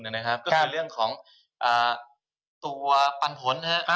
ก็คือเรื่องของตัวปันผล